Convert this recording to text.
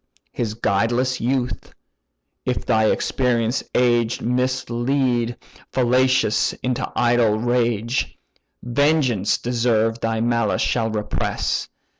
His guideless youth, if thy experienced age Mislead fallacious into idle rage, Vengeance deserved thy malice shall repress.